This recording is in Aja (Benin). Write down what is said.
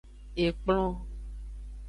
Ekplon.